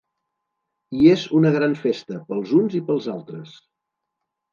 I és una gran festa, pels uns i pels altres.